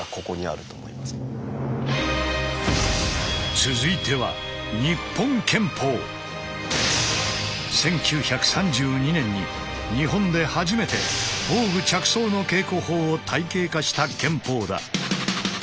続いては１９３２年に日本で初めて防具着装の稽古法を体系化した拳法だ。